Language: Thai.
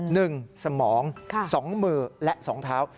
สมองสองมือและสองเท้า